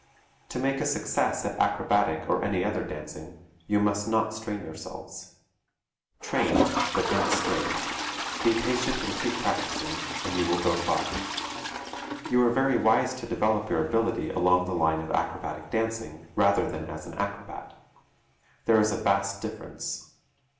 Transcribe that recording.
To make a success at acrobatic or any other dancing you must not strain yourselves. Train, but don't strain. Be patient and keep practicing, and you will go far. You are very wise to develop your ability along the line of acrobatic dancing rather than as an acrobat. There is a vast difference.